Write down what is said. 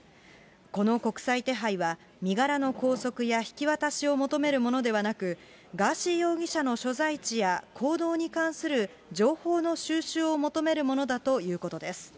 この国際手配は、身柄の拘束や引き渡しを求めるものではなく、ガーシー容疑者の所在地や行動に関する情報の収集を求めるものだということです。